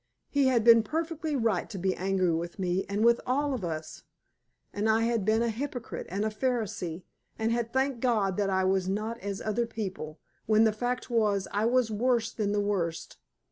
He had been perfectly right to be angry with me and with all of us. And I had been a hypocrite and a Pharisee, and had thanked God that I was not as other people, when the fact was that I was worse than the worst.